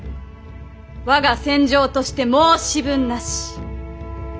我が戦場として申し分なし。